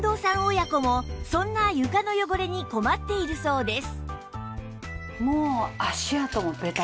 親子もそんな床の汚れに困っているそうです